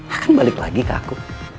akan balik lagi ke aku